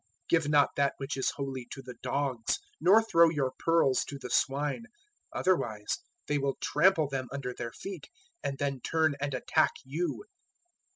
007:006 "Give not that which is holy to the dogs, nor throw your pearls to the swine; otherwise they will trample them under their feet and then turn and attack you.